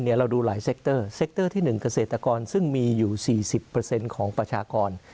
เราดูหลายเซ็กเตอร์เซ็กเตอร์ที่๑เกษตรกรซึ่งมีอยู่๔๐ของประชากร